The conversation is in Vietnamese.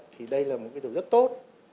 thì đây là một cái điều rất tốt